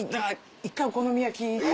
一回お好み焼きと。